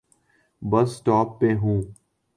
بس سٹاپ پہ ہوں۔